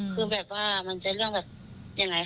คือแบบว่ามันจะเรื่องแบบยังไง